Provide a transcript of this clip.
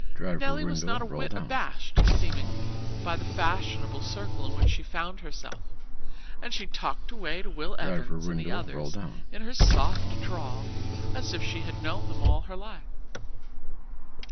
Nelly was not a whit abashed, seemingly, by the fashionable circle in which she found herself, and she talked away to Will Evans and the others in her soft drawl as if she had known them all her life.